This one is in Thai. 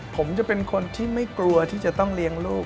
ผมจะเป็นคนที่ไม่กลัวที่จะต้องเลี้ยงลูก